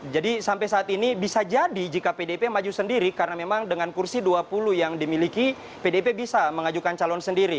jadi sampai saat ini bisa jadi jika pdip maju sendiri karena memang dengan kursi dua puluh yang dimiliki pdip bisa mengajukan calon sendiri